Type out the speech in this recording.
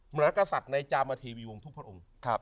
หมดละกษัตริย์ในจาบาธีวีวงร์ทุกพระองค์